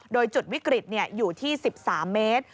โดยจุดวิกฤตอยู่ที่๑๓เมตร